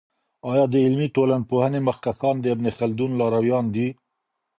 آیا د علمي ټولپوهني مخکښان د ابن خلدون لارویان دی؟